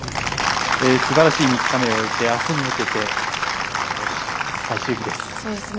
すばらしい３日目を終えてあすに向けて、どうでしょうか。